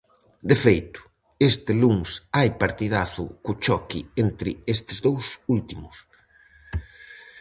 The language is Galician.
De feito, este luns hai partidazo co choque entre estes dous últimos.